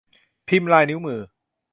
พิมพ์ลายนิ้วมือ